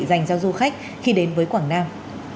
dành cho du khách khi đến với quảng nam